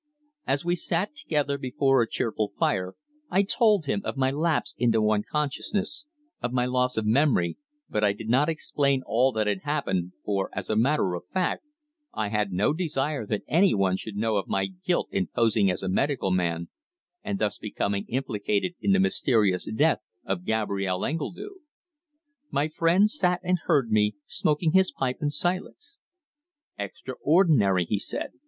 As we sat together before a cheerful fire I told him of my lapse into unconsciousness, of my loss of memory, but I did not explain all that had happened, for, as a matter of fact, I had no desire that anyone should know of my guilt in posing as a medical man and thus becoming implicated in the mysterious death of Gabrielle Engledue. My friend sat and heard me, smoking his pipe in silence. "Extraordinary!" he said.